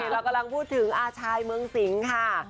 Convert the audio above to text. เรากำลังพูดถึงอาชายเมืองสิงค่ะ